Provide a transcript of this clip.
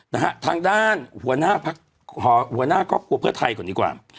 นะฮะทางด้านหัวหน้าพักหัวหน้าครอบครัวเพื่อไทยก่อนดีกว่า